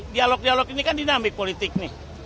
dialog dialog ini kan dinamik politik nih